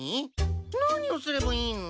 何をすればいいの？